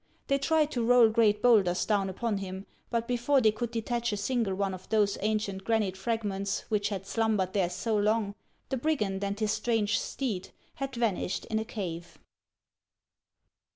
They tried to roll great bowlders down upon him ; but before they could detach a single one of those ancient granite fragments which had slumbered there so long, the brigand and his strange steed had vanished in a cave.